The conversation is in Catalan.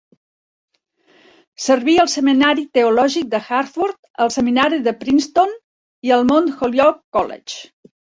Serví al seminari teològic de Hartford, al seminari de Princeton, i al Mount Holyoke College.